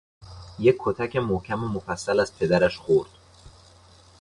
یک کتک محکم و مفصل از پدرش خورد